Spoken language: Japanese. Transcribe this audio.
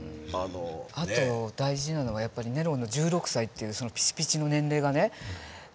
あと大事なのはやっぱりネロの１６歳っていうピチピチの年齢がね